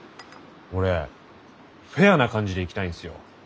俺フェアな感じでいきたいんですよ。